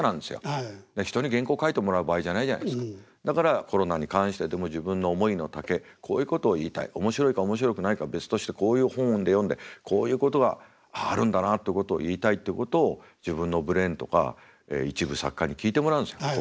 だからコロナに関してでも自分の思いのたけこういうことを言いたい面白いか面白くないか別としてこういう本で読んでこういうことがあるんだなってことを言いたいってことを自分のブレーンとか一部作家に聞いてもらうんですよ。